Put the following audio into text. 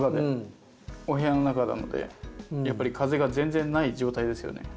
お部屋の中なのでやっぱり風が全然ない状態ですよね。